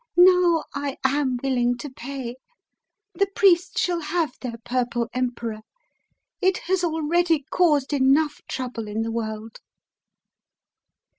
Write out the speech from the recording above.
Now I am will* ing to pay. The priests shall have their Purple Em peror. It has already caused enough trouble in the world."